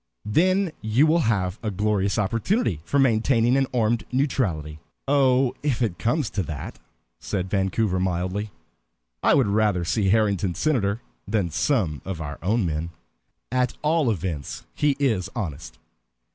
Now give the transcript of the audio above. "Then you will have a glorious opportunity for maintaining an armed neutrality." "Oh, if it comes to that," said Vancouver mildly, "I would rather see Harrington senator than some of our own men. At all events, he is honest."